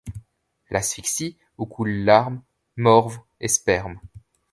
L’asphyxie où coulent larmes, morve et sperme.